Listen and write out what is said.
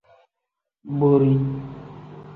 Borii.